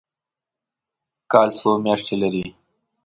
کال څو میاشتې لري؟